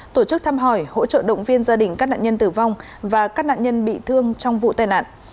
tổ chức thăm hỏi hỗ trợ động viên gia đình các nạn nhân tử vong và các nạn nhân bị thương trong vụ tai nạn